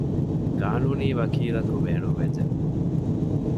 ޤާނޫނީ ވަކީލަކު ބޭނުންވެއްޖެ